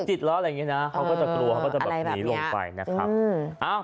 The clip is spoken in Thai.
จิตแล้วอะไรอย่างนี้นะเขาก็จะกลัวเขาก็จะแบบหนีลงไปนะครับ